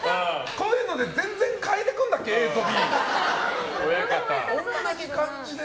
こういうので全然変えてくるんだっけＡとＢ。